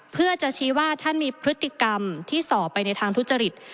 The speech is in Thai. เพื่อจะชี้ว่าท่านมีพฤติกรรมที่ส่อไปในทางทุจริต